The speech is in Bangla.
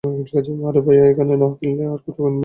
আরে ভাইয়া, এখানে না কিনলে আর কোথায় কিনবে?